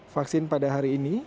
vaksin pada hari ini